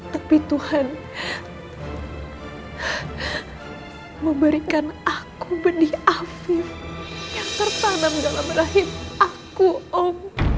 tapi tuhan memberikan aku bedih afif yang tertanam dalam rahim aku om